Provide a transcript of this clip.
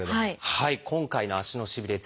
はい今回の「足のしびれ」。